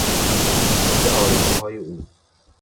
افول آرزوهای او